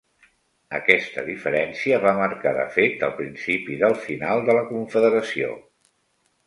Aquesta diferència va marcar de fet el principi del final de la confederació.